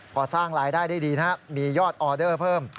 พอสร้างรายได้ได้ดีนะครับมียอดออเดอร์เพิ่ม